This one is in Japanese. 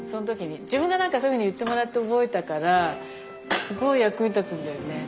自分がそういうふうに言ってもらって覚えたからすごい役に立つんだよね。